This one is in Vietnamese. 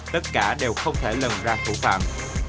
tất cả đều không thể lần ra thủ phạm